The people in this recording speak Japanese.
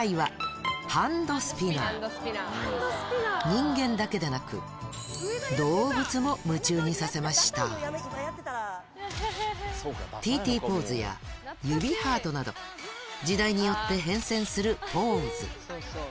人間だけでなくにさせましたＴＴポーズや指ハートなど時代によって変遷するポーズ